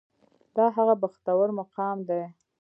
دا هغه بختور مقام دی.